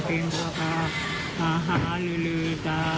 สวัสดีครับสวัสดีครับ